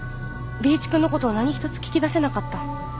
Ｂ一君のこと何一つ聞き出せなかった。